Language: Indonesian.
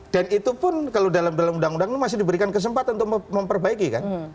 dan itu pun kalau dalam dalam undang undang ini masih diberikan kesempatan untuk memperbaiki kan